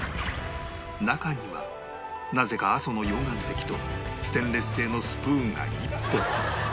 中にはなぜか阿蘇の溶岩石とステンレス製のスプーンが１本